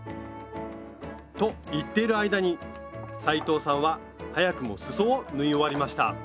と言っている間に斉藤さんは早くもすそを縫い終わりました